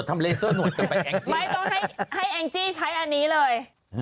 ใจให้แอนกจี้ใช้อันนี้เลย